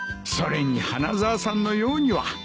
それに花沢さんのようには。